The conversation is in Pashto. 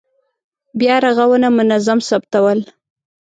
بیا رغونه منظم ثبتول.